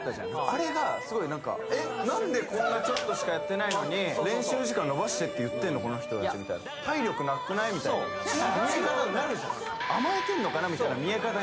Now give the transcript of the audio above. あれがすごいなんかえっ何でこんなちょっとしかやってないのに練習時間延ばしてって言ってんのこの人達みたいな体力なくない？みたいな見え方になるじゃんそう違うのよね